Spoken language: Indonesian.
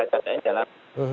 neutralitas asn dalam